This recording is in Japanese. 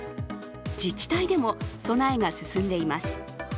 自治体でも備えが進んでいます。